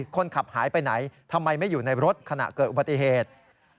คนขับหายไปไหนทำไมไม่อยู่ในรถขณะเกิดอุบัติเหตุ